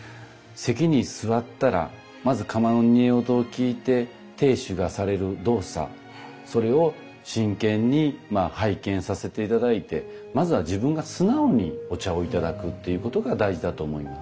席に座ったらまず釜の煮え音を聞いて亭主がされる動作それを真剣に拝見させて頂いてまずは自分が素直にお茶をいただくということが大事だと思います。